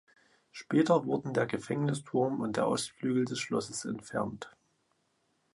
Später wurden der Gefängnisturm und der Ostflügel des Schlosses entfernt.